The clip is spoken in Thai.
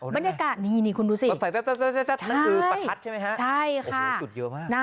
บรรยากาศนี้นี่คุณดูสินั่นคือประทัดใช่ไหมคะ